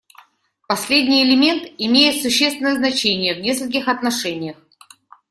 Последний элемент имеет существенное значение в нескольких отношениях.